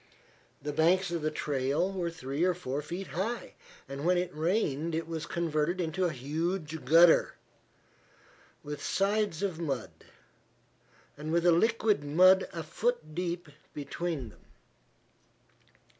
The banks of the trail were three or four feet high, and when it rained it was converted into a huge gutter, with sides of mud, and with a liquid mud a foot deep between them.